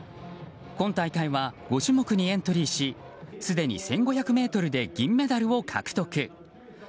今大会は５種目にエントリーしすでに１５００ｍで銀メダルを獲得。